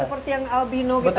seperti yang albino kita lihat itu